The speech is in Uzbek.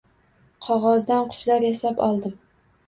Qog’ozdan qushlar yasab oldim